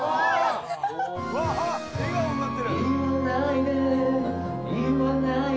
笑顔になってる。